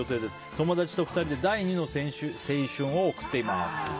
友達と２人で第２の青春を送っています。